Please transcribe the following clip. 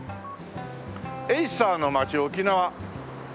「エイサーのまち沖縄」